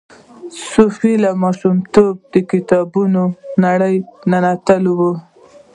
صوفي له ماشومتوبه د کتابونو نړۍ ننوتې وه.